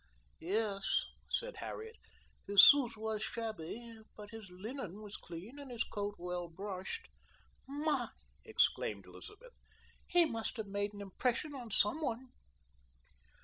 "Yes," said Harriet, "his suit was shabby, but his linen was clean and his coat well brushed." "My!" exclaimed Elizabeth. "He must have made an impression on some one."